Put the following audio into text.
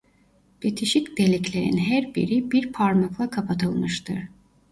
Bitişik deliklerin her biri bir parmakla kapatılmıştır.